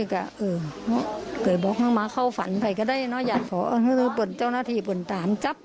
เข้าฝันไปก็ได้เนาะอย่าขอบรรจนาฐีบรรตามจับ